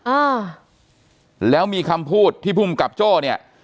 อ่าแล้วมีคำพูดที่ภูมิกับโจ้เนี่ย